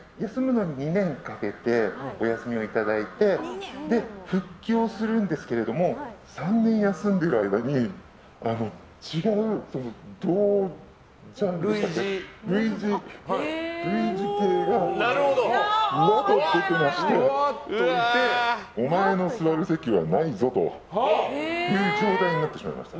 ２年かけてお休みをいただいて復帰をするんですけど３年休んでいる間に違う類似系の人がどんどん出てきましてお前の座る席はないぞという状態になってしまいました。